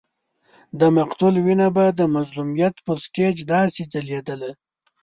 د مقتول وینه به د مظلومیت پر سټېج داسې ځلېدله.